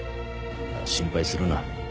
心配するな。